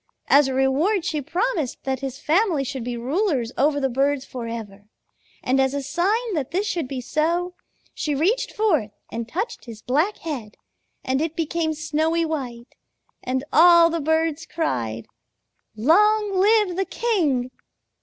As a reward she promised that his family should be rulers over the birds forever, and as a sign that this should be so, she reached forth and touched his black head, and it became snowy white, and all the birds cried 'Long live the king!'